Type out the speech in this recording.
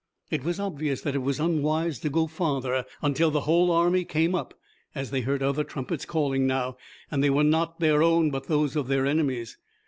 It was obvious that it was unwise to go farther until the whole army came up, as they heard other trumpets calling now, and they were not their own but those of their enemies.